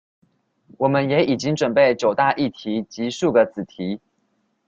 我們也已經準備九大議題及數個子題